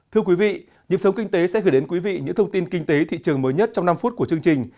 thưa quý vị nhiệm sống kinh tế sẽ gửi đến quý vị những thông tin kinh tế thị trường mới nhất trong năm phút của chương trình